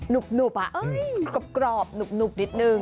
หุบกรอบหนุบนิดนึง